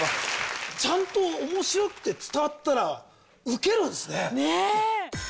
ちゃんと面白くて伝わったらウケるんですね。ねぇ！